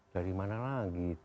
dari mana lagi tuh